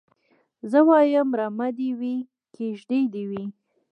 زه وايم رمه دي وي کيږدۍ دي وي